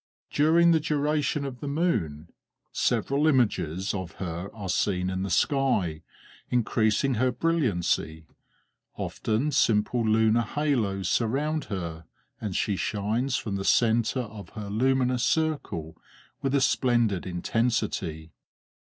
During the duration of the moon several images of her are seen in the sky, increasing her brilliancy; often simple lunar halos surround her, and she shines from the centre of her luminous circle with a splendid intensity.